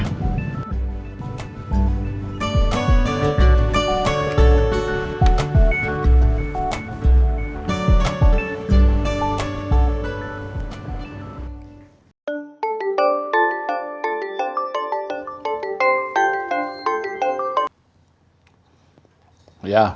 aku buat kaunnya mauactiv